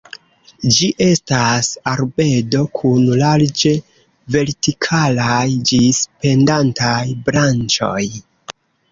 Ĝi estas arbedo kun larĝe vertikalaj ĝis pendantaj branĉoj.